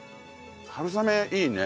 春雨いいね。